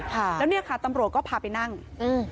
ค่ะแล้วเนี้ยค่ะตำรวจก็พาไปนั่งอืม